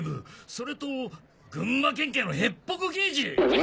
それと群馬県警のヘッポコ刑事。